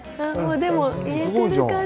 でも言えてる感じ。